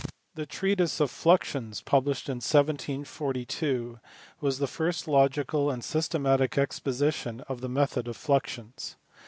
The Treatise of Fluxions published in 1742 was the first logical and systematic exposition of the method of fluxions.